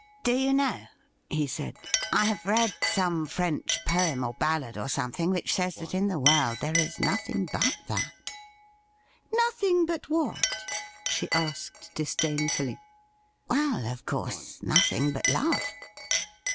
' Do you know,' he said, ' I have read some French poem or ballad or something which says that in the world there is nothing but that.' ' Nothing but what ?' she asked disdainfully. ' Well, of coui'se, nothing but love.'